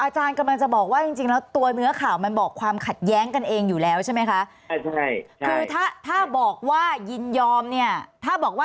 อาจารย์กำลังจะบอกว่าจริงแล้วตัวเนื้อข่าวมันบอกความขัดแย้งกันเองอยู่แล้วใช่ไหมคะ